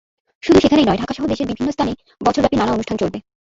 শুধু সেখানেই নয়, ঢাকাসহ দেশের বিভিন্ন স্থানে বছরব্যাপী নানা অনুষ্ঠান চলবে।